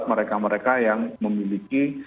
mereka mereka yang memiliki